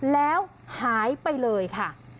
แล้วหายไปเลยค่ะ